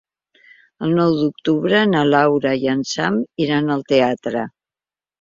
El nou d'octubre na Laura i en Sam iran al teatre.